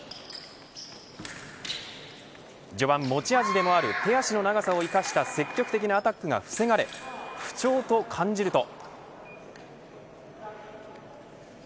序盤、持ち味でもある手足の長さを生かした積極的なアタックが防がれ不調と感じると。